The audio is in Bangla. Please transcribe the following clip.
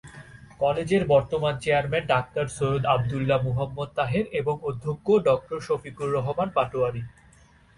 কলেজের বর্তমান চেয়ারম্যান ডাক্তার সৈয়দ আবদুল্লাহ মুহাম্মদ তাহের এবং অধ্যক্ষ ডঃ শফিকুর রহমান পাটোয়ারী।